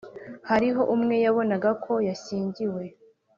hariho umwe yabonaga ko yashyingiwe;